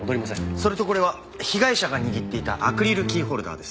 それとこれは被害者が握っていたアクリルキーホルダーです。